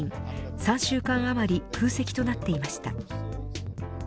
３週間余り空席となっていました。